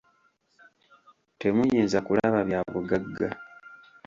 Temuyinza kulaba bya bugagga.